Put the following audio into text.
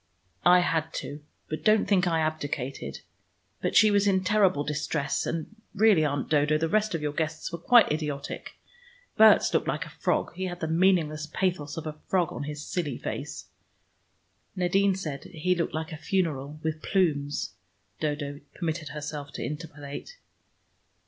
"I had to. But don't think I abdicated. But she was in terrible distress, and really, Aunt Dodo, the rest of your guests were quite idiotic. Berts looked like a frog; he had the meaningless pathos of a frog on his silly face " "Nadine said he looked like a funeral with plumes," Dodo permitted herself to interpolate.